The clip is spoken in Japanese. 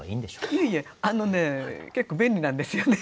いえいえ結構便利なんですよね。